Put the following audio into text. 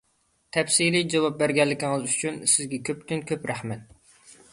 تەپسىلىي جاۋاب بەرگەنلىكىڭىز ئۈچۈن سىزگە كۆپتىن-كۆپ رەھمەت!